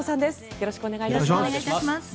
よろしくお願いします。